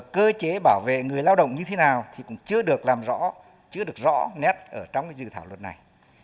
cơ chế bảo vệ người lao động như thế nào thì cũng chưa được làm rõ chưa được rõ nét ở trong dự thảo luật này